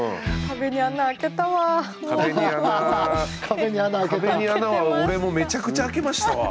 壁に穴は俺もめちゃくちゃ開けましたわ。